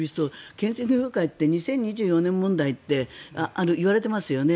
建設業界って２０２４年問題っていわれていますよね。